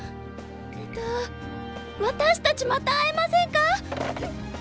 えっと私たちまた会えませんか⁉うっ！